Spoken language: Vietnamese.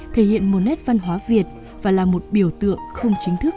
thể hiện một nét văn hóa việt và là một biểu tượng không chính thức